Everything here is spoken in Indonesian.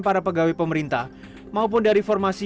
para pegawai pemerintah maupun dari formasi